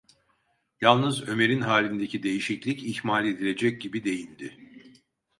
Yalnız Ömer’in halindeki değişiklik ihmal edilecek gibi değildi.